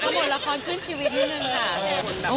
บทละครขึ้นชีวิตนิดนึงค่ะ